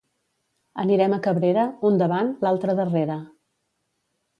Anirem a Cabrera, un davant, l'altre darrere.